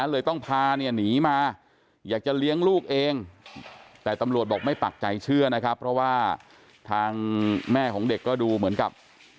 เลยต้องพาเนี่ยหนีมาอยากจะเลี้ยงลูกเองแต่ตำรวจบอกไม่ปักใจเชื่อนะครับเพราะว่าทางแม่ของเด็กก็ดูเหมือนกับ